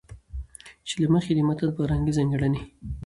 چې له مخې يې د متن فرهنګي ځانګړنې